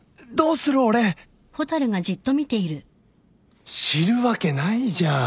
俺知るわけないじゃん。